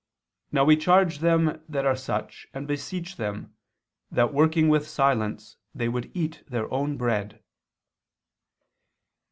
Now we charge them that are such, and beseech them ... that working with silence, they would eat their own bread."